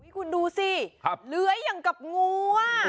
คุณดูสิเหลื้อยังกับงูอ่ะ